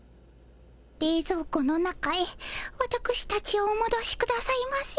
れいぞう庫の中へわたくしたちをおもどしくださいませ。